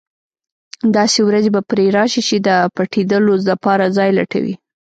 داسې ورځې به پرې راشي چې د پټېدلو لپاره ځای لټوي.